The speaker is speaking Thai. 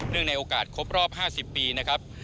เนื่องในโอกาสครบรอบ๕๐ปีนะครับ